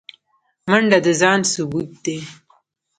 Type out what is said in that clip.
منډه د ځان ثبوت دی